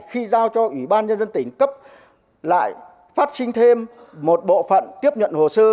khi giao cho ủy ban nhân dân tỉnh cấp lại phát sinh thêm một bộ phận tiếp nhận hồ sơ